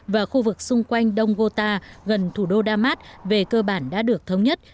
và khu vực xung quanh đông gota gần thủ đô đa mát về cơ bản đã được thống nhất